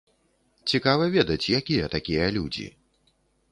Цікава ведаць, якія такія людзі.